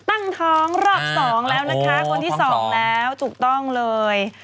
ตั้งท้องรอบ๒แล้วนะคะคนที่สองแล้วถูกต้องเลย